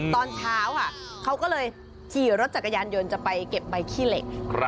ตอนเช้าค่ะเขาก็เลยขี่รถจักรยานยนต์จะไปเก็บใบขี้เหล็ก